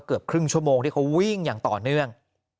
เกือบครึ่งชั่วโมงที่เขาวิ่งอย่างต่อเนื่อง